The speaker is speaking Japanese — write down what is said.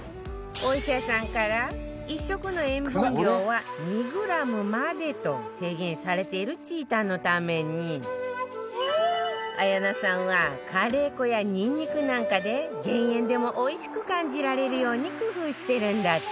お医者さんから１食の塩分量は２グラムまでと制限されているちーたんのために綾菜さんはカレー粉やニンニクなんかで減塩でもおいしく感じられるように工夫してるんだって